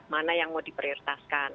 mana yang mau di prioritaskan